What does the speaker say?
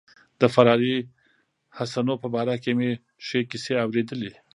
د فراري حسنو په باره کې مې ښې کیسې اوریدلي.